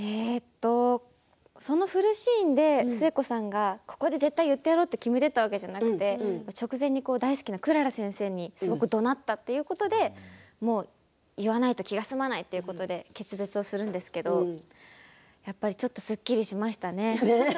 その振るシーンで寿恵子さんがここで絶対に言ってやろうと決めていたわけじゃなくて直前に大好きなクララ先生にどなったということでもう言わないと気が済まないということで決裂するんですけれどちょっと、すっきりしましたね。